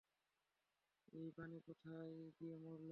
এই বানি কোথায় গিয়ে মরল?